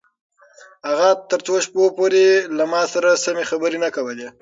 اغا تر څو شپو پورې له ما سره سمې خبرې نه کولې.